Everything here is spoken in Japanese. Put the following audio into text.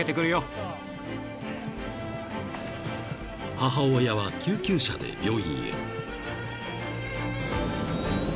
［母親は救急車で病院へ］